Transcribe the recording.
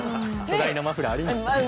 巨大なマフラーありましたね。